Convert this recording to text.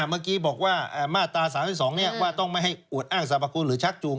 เมื่อกี้บอกว่ามาตรา๓๒ว่าต้องไม่ให้อวดอ้างสรรพคุณหรือชักจูง